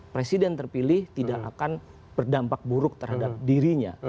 presiden terpilih tidak akan berdampak buruk terhadap dirinya